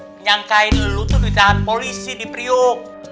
menyangkain lo tuh ditahan polisi di priok